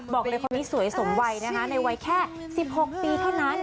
บอกเลยคนนี้สวยสมวัยนะคะในวัยแค่๑๖ปีเท่านั้น